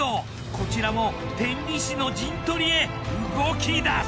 こちらも天理市の陣取りへ動き出す。